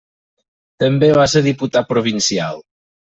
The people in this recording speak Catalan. També va ser diputat provincial.